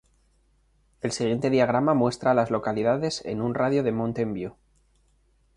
El siguiente diagrama muestra a las localidades en un radio de de Mountain View.